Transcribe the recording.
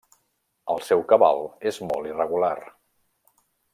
El seu cabal és molt irregular.